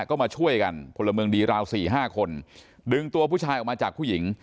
ก็มาช่วยกันพลเมืองดีราวสี่ห้าคนดึงตัวผู้ชายออกมาจากผู้หญิง